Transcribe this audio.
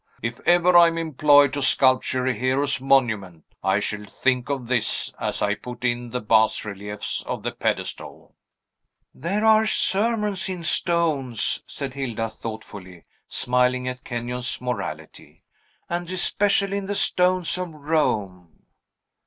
If ever I am employed to sculpture a hero's monument, I shall think of this, as I put in the bas reliefs of the pedestal!" "There are sermons in stones," said Hilda thoughtfully, smiling at Kenyon's morality; "and especially in the stones of Rome."